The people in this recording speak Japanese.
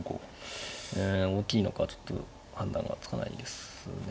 え大きいのかはちょっと判断がつかないですね。